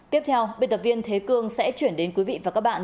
tiếp theo biên tập viên thế cương sẽ chuyển đến quý vị và các bạn